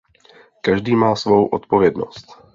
Každý má svou odpovědnost.